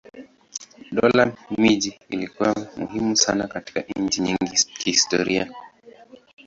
Dola miji ilikuwa muhimu sana katika nchi nyingi kihistoria.